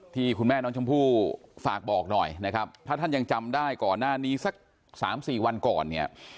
ที่คุณแม่น้องชมพู่ฝากบอกหน่อยนะครับถ้าท่านยังจำได้ก่อนหน้านี้สักสามสี่วันก่อนเนี่ย